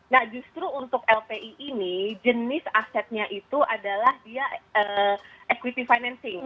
nah justru untuk lpi ini jenis asetnya itu adalah dia equity financing